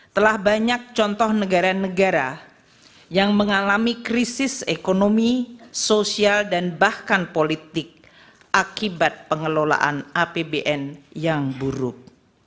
telah banyak contoh negara negara yang mengalami krisis ekonomi sosial dan bahkan politik akibat pengelolaan apbn yang buruk